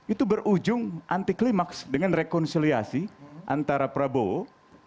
itu berujung anti klimaks dengan rekonsiliasi antara prabowo